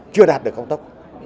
chưa đạt được cao tốc